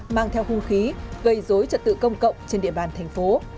mang theo hung khí gây dối trật tự công cộng trên địa bàn thành phố